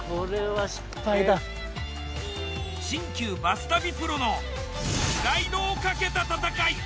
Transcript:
新旧バス旅プロのプライドをかけた戦い。